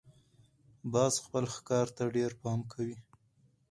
باز خپل ښکار ته ډېر پام کوي